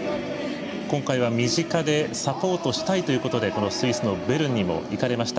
今回は身近でサポートしたいということでこのスイス・ベルンにも行かれました。